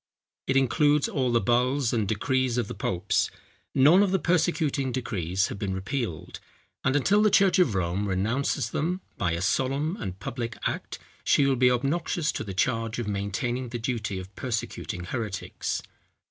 It includes all the bulls and decrees of the popes. None of the persecuting decrees have been repealed; and until the church of Rome renounces them by a solemn and public act, she will be obnoxious to the charge of maintaining the duty of persecuting heretics.